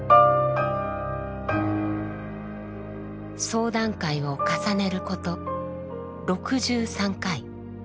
相談会を重ねること６３回。